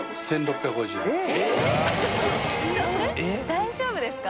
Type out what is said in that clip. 大丈夫ですか？